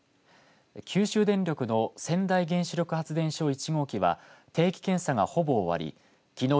九州電力の川内原子力発電所１号機は定期検査がほぼ終わりきのう